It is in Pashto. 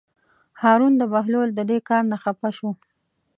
هارون د بهلول د دې کار نه خپه شو.